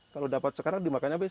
kalau dapat sekarang dimakannya b